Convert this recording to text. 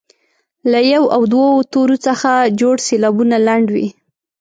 له یو او دوو تورو څخه جوړ سېلابونه لنډ وي.